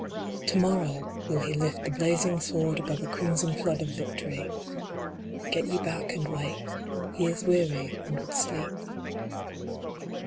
To morrow will he lift the blazing sword above a crim son flood of victory. Get ye back and wait. He is weary, and would sleep.